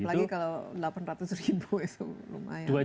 apalagi kalau delapan ratus ribu itu lumayan